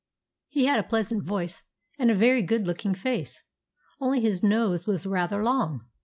He had a pleasant voice and a very good looking face, only his nose was rather long.